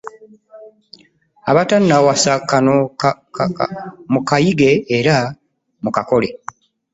Abatannawasa kano mukayige era mukakole.